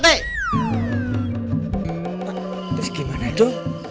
terus gimana itu